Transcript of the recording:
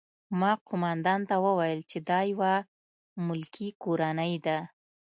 ما قومندان ته وویل چې دا یوه ملکي کورنۍ ده